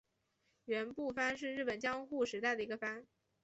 园部藩是日本江户时代的一个藩。